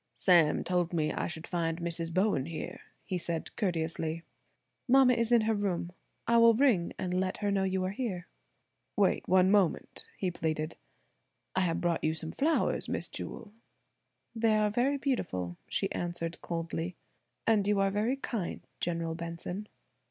"Sam told me I should find Mrs. Bowen here," he said courteously. "Mama is in her room. I will ring and let her know you are here." "Wait one moment," he pleaded. "I have brought you some flowers, Miss Jewel." "They are very beautiful," she answered coldly; "and you are very kind, General Benson."